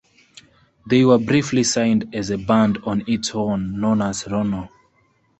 They were briefly signed as a band on its own, known as Ronno.